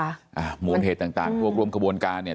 อ่ามูลเหตุต่างต่างพวกร่วมขบวนการเนี่ย